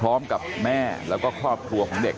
ลูกสาวหลายครั้งแล้วว่าไม่ได้คุยกับแจ๊บเลยลองฟังนะคะ